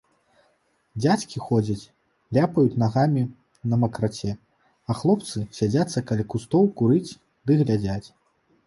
Дзядзькі ходзяць, ляпаюць нагамі на макраце, а хлопцы садзяцца каля кустоў курыць ды глядзяць.